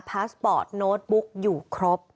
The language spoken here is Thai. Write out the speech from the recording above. พาสปอร์ตโน๊ตบุ๊ก